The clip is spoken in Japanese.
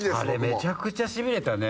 めちゃくちゃしびれたね。